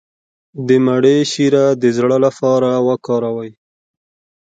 د مڼې شیره د زړه لپاره وکاروئ